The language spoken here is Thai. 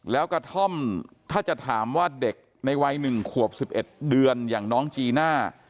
แล้วกระท่อมถ้าจะถามว่าเด็กในวัย๑ขวบ๑๑เดือนอย่างน้องจีน่า